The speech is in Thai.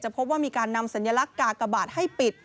พบว่ามีการนำสัญลักษณ์กากบาทให้ปิด